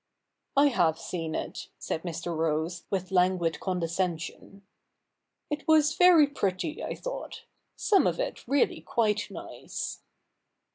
' I have seen it," said ^Ir. Rose, with languid con descension. • It was very pretty, I thought — some of it really quite nice.'